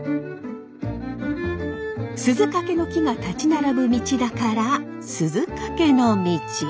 鈴懸の木が立ち並ぶ道だから鈴懸の径。